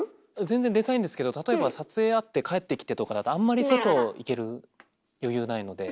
全然出たいんですけど例えば撮影あって帰ってきてとかだとあんまり外行ける余裕ないので。